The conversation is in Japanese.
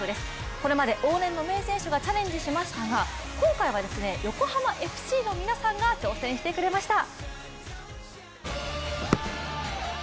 これまで往年の選手がチャレンジしましたが、今回は横浜ＦＣの皆さんが挑戦してくれました。